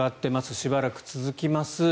しばらく続きます。